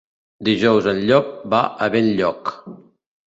Dijous en Llop va a Benlloc.